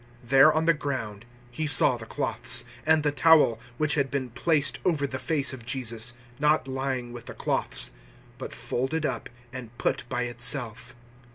There on the ground he saw the cloths; 020:007 and the towel, which had been placed over the face of Jesus, not lying with the cloths, but folded up and put by itself.